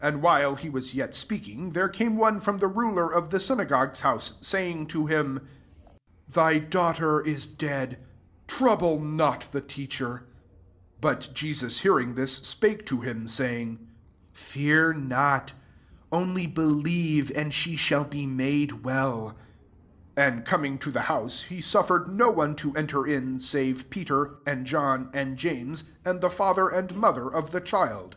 49 And while he was yet speaking, there came one from the ruler of the synagogue's Ao««f, saying to him, '"^ Thy daughter is dead : trouble not the Teacher. 50 But Je sus . hearing t/dsj spake to him,* saying, " Fear not : only believe, and she shall be made weD.'' 51 And coming to the bouse, he suffered no one to en* ter in, save Peter, and John, and James, and the &ther and mo ther of the child.